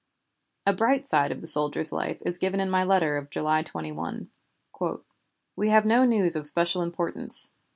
A bright side of the soldier's life is given in my letter of July 21: "We have no news of special importance.